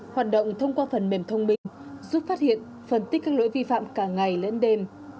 hoạt động thông qua phần mềm thông minh giúp phát hiện phân tích các lỗi vi phạm cả ngày lẫn đêm